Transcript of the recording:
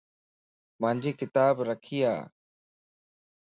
مانجي ڪتاب رکي ا